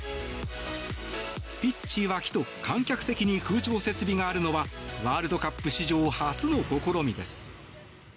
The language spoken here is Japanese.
ピッチ脇と観客席に空調設備があるのはワールドカップ史上初の試みです。